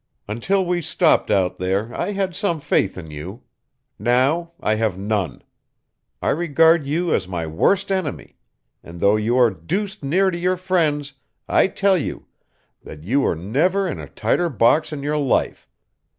Until we stopped out there I had some faith in you. Now I have none. I regard you as my worst enemy, and though you are deuced near to your friends I tell you that you were never in a tighter box in your life.